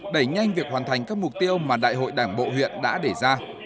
đẩy nhanh việc hoàn thành các mục tiêu mà đại hội đảng bộ huyện đã để ra